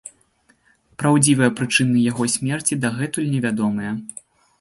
Праўдзівыя прычыны яго смерці дагэтуль невядомыя.